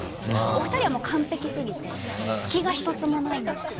お二人はもう完璧すぎて隙が１つもないんですよ。